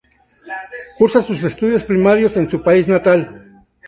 Cursa sus estudios primarios en su país natal.